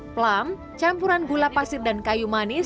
plam campuran gula pasir dan kayu manis